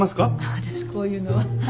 私こういうのは。